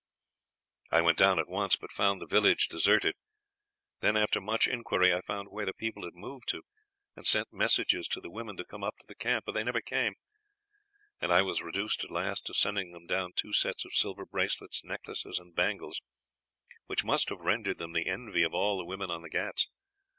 I went down at once, but found the village deserted. Then after much inquiry I found where the people had moved to, and sent messages to the women to come up to the camp, but they never came; and I was reduced at last to sending them down two sets of silver bracelets, necklaces, and bangles, which must have rendered them the envy of all the women on the Ghauts.